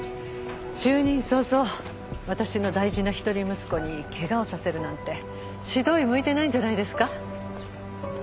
就任早々私の大事な一人息子にケガをさせるなんて指導医向いてないんじゃないですか？